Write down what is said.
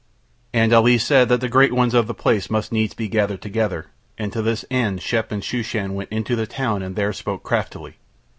And Ali said that the great ones of the place must needs be gathered together, and to this end Shep and Shooshan went into the town and there spoke craftily.